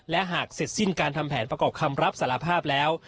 และหากเสร็จสิ้นการทำแผนประกอบคำรับสารภาพแล้ว